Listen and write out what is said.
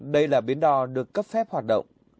đây là bến đỏ được cấp phép hoạt động